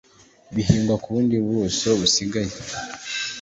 bihingwa ku bundi bwuso busigaye